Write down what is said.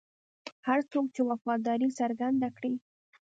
هر څوک چې وفاداري څرګنده کړي.